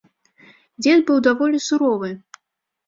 Дзед быў даволі суровы.